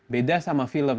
beda sama film